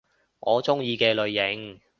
我鍾意嘅類型